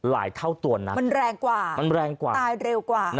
มันแรงกว่าตายเร็วกว่า